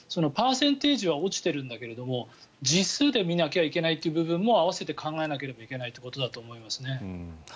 パーセンテージは落ちているんだけど実数で見なきゃいけないという部分も併せて考えなきゃいけないということだと思いますね。